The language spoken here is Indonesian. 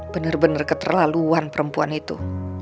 bener bener keterlaluan perempuan itu